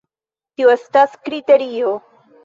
Tio estas kriterio!